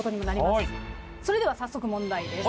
それでは早速問題です。